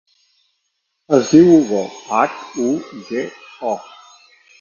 Es diu Hugo: hac, u, ge, o.